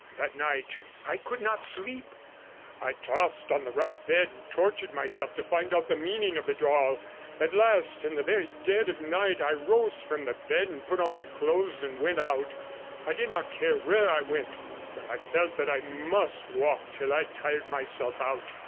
That night I could not sleep; I tossed on the rough bed and tortured myself to find out the meaning of it all. At last, in the very dead of night, I rose from the bed and put on my clothes, and went out. I did not care where I went, but I felt that I must walk till I had tired myself out.